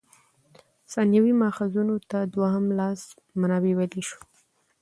ثانوي ماخذونو ته دوهم لاس منابع ویلای سو.